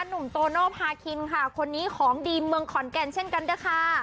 หนุ่มโตโนภาคินค่ะคนนี้ของดีเมืองขอนแก่นเช่นกันด้วยค่ะ